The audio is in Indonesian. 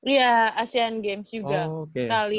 iya asean games juga sekali